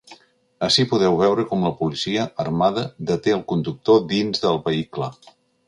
Ací podeu veure com la policia, armada, deté el conductor dins del vehicle.